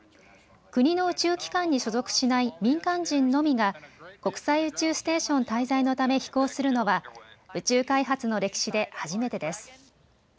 国の宇宙機関に所属しない民間人のみが国際宇宙ステーション滞在のため飛行するのは宇宙開発の歴史で初めてです。